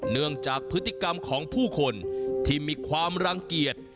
เนื่องจากพฤติกรรมของผู้คนที่มีความรังเกียจ